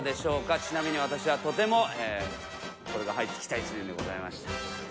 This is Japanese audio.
ちなみに私はとてもこれが入ってきた１年でございました。